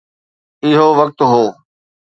اهو وقت هو.